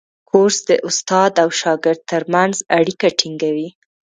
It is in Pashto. کورس د استاد او شاګرد ترمنځ اړیکه ټینګوي.